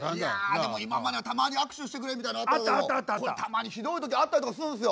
でも今まではたまに握手してくれみたいなのはあったけどもたまにひどい時あったりとかするんすよ。